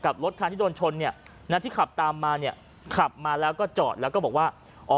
รถคันที่โดนชนเนี่ยนะที่ขับตามมาเนี่ยขับมาแล้วก็จอดแล้วก็บอกว่า